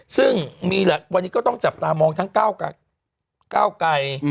ซึ่งมีแหละวันนี้ก็ต้องจับตามองทั้งก้าวไกร